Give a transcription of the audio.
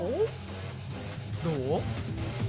どう？